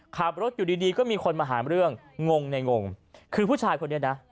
ขับรถอยู่ดีดีก็มีคนมาหาเรื่องงงในงงคือผู้ชายคนนี้นะ